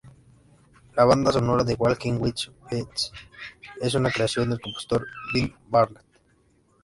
La banda sonora de "Walking with Beasts" es una creación del compositor Ben Bartlett.